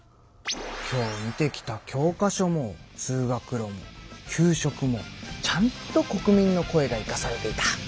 今日見てきた教科書も通学路も給食もちゃんと国民の声がいかされていた。